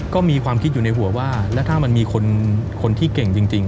ก็มีความคิดอยู่ในหัวว่าแล้วถ้ามันมีคนที่เก่งจริง